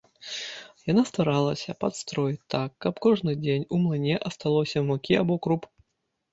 Яна старалася падстроіць так, каб кожны дзень у млыне асталося мукі або круп.